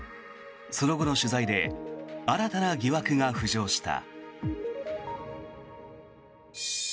その後の取材で新たな疑惑が浮上した。